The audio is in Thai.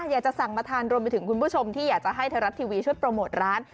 อยากจะสั่งมาทานรวมไปถึงคุณผู้ชมที่อยากจะให้ไทยรัฐทีวีช่วยโปรโมทร้าน